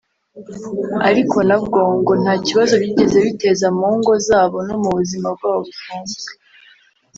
ariko na bwo ngo nta kibazo byigeze biteza mu ngo zabo no mu buzima bwabo busanzwe